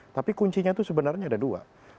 tapi kuncinya itu sebenarnya ada dua